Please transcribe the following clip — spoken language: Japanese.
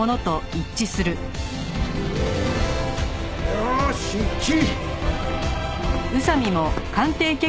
よーし一致！